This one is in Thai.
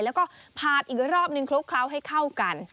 แล้วก็ผัดอีกรอบนึงคลุกเคล้าให้เข้ากัน